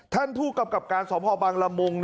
ท่านผู้กำกับการสพบังละมุง